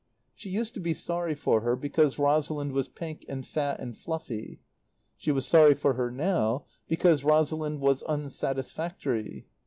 She used to be sorry for her because Rosalind was pink and fat and fluffy; she was sorry for her now because Rosalind was unsatisfactory.